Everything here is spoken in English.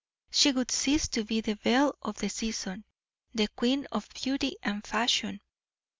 She would cease to be the belle of the season, the queen of beauty and fashion.